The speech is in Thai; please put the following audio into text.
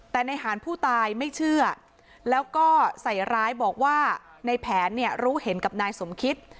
แต่ในหารผู้ตายไม่เชื่อแล้วก็ใส่ร้ายบอกว่าในแผนเนี่ยรู้เห็นกับนายสมคิต